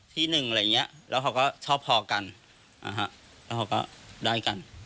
ที่หนึ่งอะไรอย่างเงี้ยแล้วเขาก็ชอบพอกันนะฮะแล้วเขาก็ได้กัน